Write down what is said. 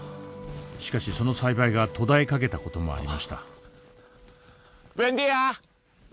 しかしその栽培が途絶えかけた事もありました。